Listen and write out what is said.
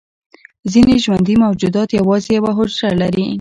ځینې ژوندي موجودات یوازې یوه حجره لري